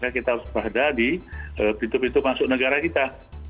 kita harus waspada di titik titik masuk negara kita